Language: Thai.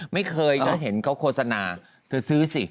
ไม่เคยเขาเห็นเขาโฆษณาเธอซื้อสิ